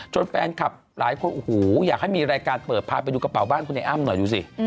แฟนคลับหลายคนโอ้โหอยากให้มีรายการเปิดพาไปดูกระเป๋าบ้านคุณไอ้อ้ำหน่อยดูสิ